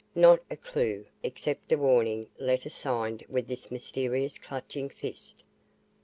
"Not a clue except a warning letter signed with this mysterious clutching fist.